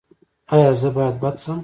ایا زه باید بد شم؟